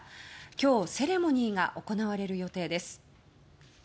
今日、セレモニーが行われる予定です。